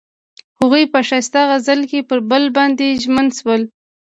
هغوی په ښایسته غزل کې پر بل باندې ژمن شول.